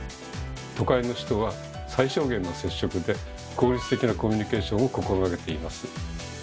都会の人は最小限の接触で効率的なコミュニケーションを心がけています。